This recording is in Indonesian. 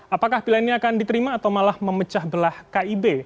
apakah pilihannya akan diterima atau malah memecah belah kib